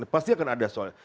pasti akan ada soal